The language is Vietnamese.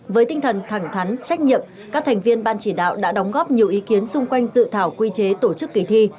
với tinh thần thẳng thắn trách nhiệm các thành viên ban chỉ đạo đã đóng góp nhiều ý kiến xung quanh dự thảo quy chế tổ chức kỳ thi